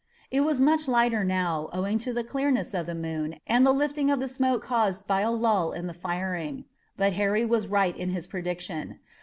It was much lighter now, owing to the clearness of the moon and the lifting of the smoke caused by a lull in the firing. But Harry was right in his prediction.